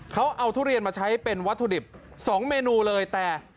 เขาเอาทุเรียนมาใช้เป็นวัตถุดิบ๒เมนูเลยแต่